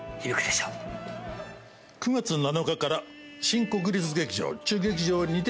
９月７日から新国立劇場中劇場にて上演。